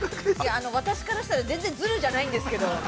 ◆私からしたら、全然ズルじゃないんですけど。